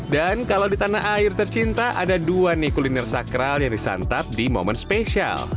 dan kalau di tanah air tercinta ada dua nih kuliner sakral yang disantap di momen spesial